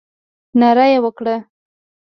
ناره یې وکړه.